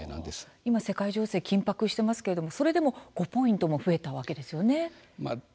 今世界情勢緊迫していますがそれでも５ポイント増えたんですね。